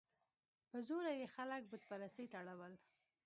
په زوره یې خلک بت پرستۍ ته اړول.